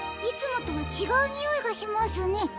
いつもとはちがうにおいがしますね。